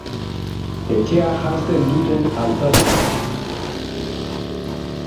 Etxea janzten duten altzariak.